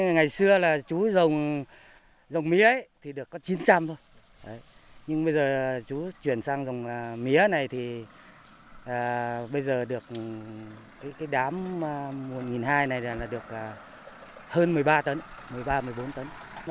ngày xưa là chú trồng mía thì được có chín trăm linh thôi nhưng bây giờ chú chuyển sang trồng mía này thì bây giờ được cái đám một hai trăm linh này là được hơn một mươi ba tấn một mươi ba một mươi bốn tấn